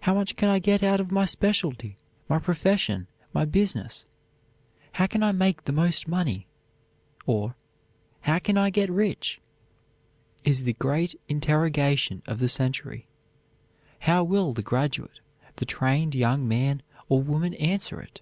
"How much can I get out of my specialty, my profession, my business?" "How can I make the most money?" or "How can I get rich?" is the great interrogation of the century. How will the graduate, the trained young man or woman answer it?